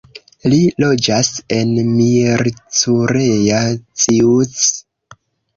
Li loĝas en Miercurea Ciuc.